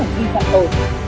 ở khi phạm tổ